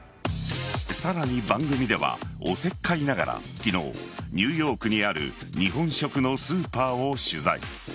さらに番組ではおせっかいながら昨日ニューヨークにある日本食のスーパーを取材。